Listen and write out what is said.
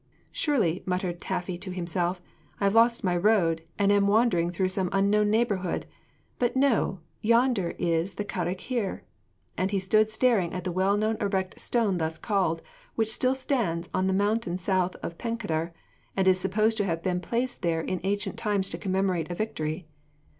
'Surely,' muttered Taffy to himself, 'I have lost my road and am wandering through some unknown neighbourhood; but no, yonder is the Careg Hir!' and he stood staring at the well known erect stone thus called, which still stands on the mountain south of Pencader, and is supposed to have been placed there in ancient times to commemorate a victory.